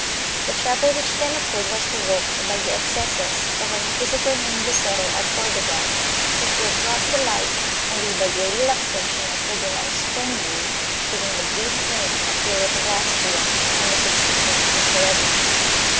The trouble which then occurred was provoked by the excesses of an inquisitor named Lucero at Cordova, which were brought to light only by the relaxation of Ferdinand's stern rule during the brief reign of Philip of Austria and the subsequent interregnum.